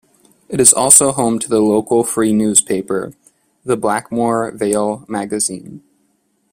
It is also home to the local free newspaper, the Blackmore Vale Magazine.